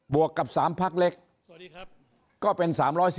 วกกับ๓พักเล็กก็เป็น๓๔